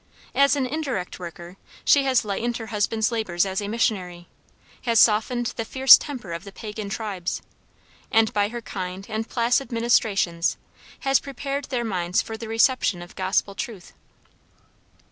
As an indirect worker, she has lightened her husband's labors as a missionary, has softened the fierce temper of the pagan tribes, and by her kind and placid ministrations has prepared their minds for the reception of Gospel truth.